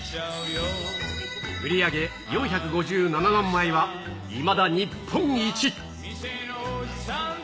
売り上げ４５７万枚は、いまだ日本一。